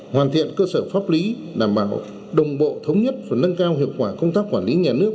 hoàn thiện cơ sở pháp lý đảm bảo đồng bộ thống nhất và nâng cao hiệu quả công tác quản lý nhà nước